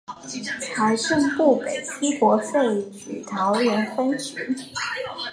財政部北區國稅局桃園分局